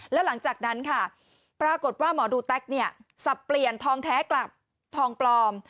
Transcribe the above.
แล้วหลังจากนั้นค่ะปรากฏว่าหมอดูแต๊กเนี่ยสับเปลี่ยนทองแท้กลับทองปลอม